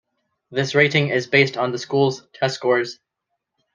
This rating is based on the schools' test scores.